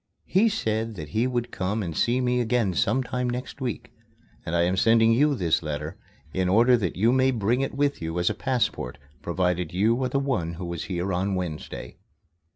He said that he would come and see me again sometime next week, and I am sending you this letter in order that you may bring it with you as a passport, provided you are the one who was here on Wednesday.